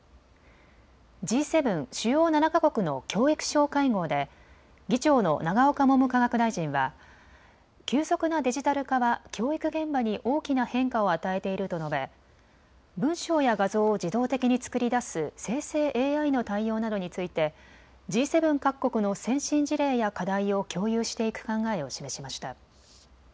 Ｇ７・主要７か国の教育相会合で議長の永岡文部科学大臣は急速なデジタル化は教育現場に大きな変化を与えていると述べ文章や画像を自動的に作り出す生成ＡＩの対応などについてＧ７各国の先進事例や課題を共有していく考えを示しました。